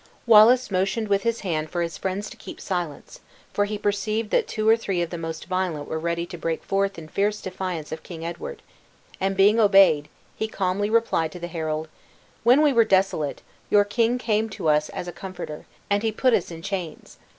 Wallace motioned with his hand for his friends to keep silence (for he perceived that two or three of the most violent were ready to break forth in fierce defiance of King Edward), and being obeyed, he calmly replied to the herald: "When we were desolate, your king came to us as a comforter, and he put us in chains!